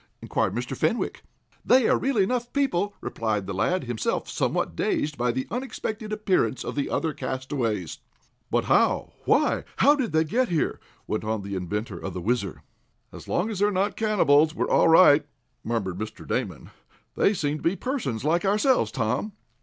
inquired Mr. Fenwick. "They are real enough people," replied the lad, himself somewhat dazed by the unexpected appearance of the other castaways. "But how why how did they get here?" went on the inventor of the WHIZZER. "As long as they're not cannibals, we're all right," murmured Mr. Damon. "They seem to be persons like ourselves, Tom."